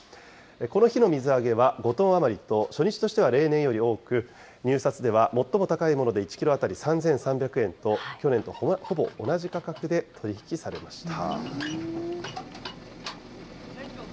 この日の水揚げは５トン余りと、初日としては例年より多く、入札では最も高いもので１キロ当たり３３００円と、去年とほぼ同じ価格で取り引きされました。